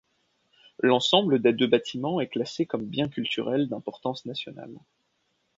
L'ensemble des deux bâtiments est classé comme bien culturel d'importance nationale.